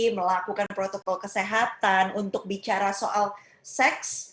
melakukan protokol kesehatan untuk bicara soal seks